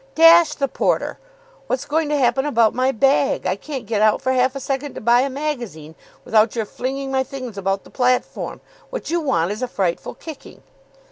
"Dash the porter! What's going to happen about my bag? I can't get out for half a second to buy a magazine without your flinging my things about the platform. What you want is a frightful kicking."